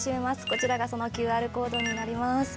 こちらがそのＱＲコードになります。